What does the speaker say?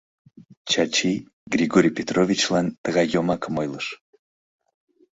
Чачи Григорий Петровичлан тыгай йомакым ойлыш.